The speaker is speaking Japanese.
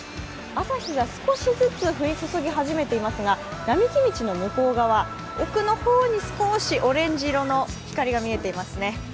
朝日が少しずつ降り注ぎ始めていますが並木道の向こう側奥の方に少しオレンジ色の光が見えていますね。